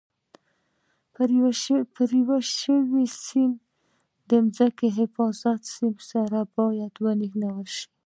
یو پرې شوی سیم د ځمکې حفاظتي سیم سره باید ونښلول شي.